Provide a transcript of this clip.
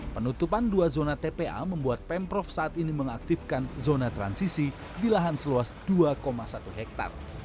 penutupan dua zona tpa membuat pemprov saat ini mengaktifkan zona transisi di lahan seluas dua satu hektare